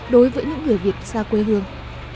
đối với những người việt xa quê hương